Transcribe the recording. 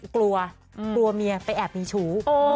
กลัวกลัวเมียไปแอบมีชู้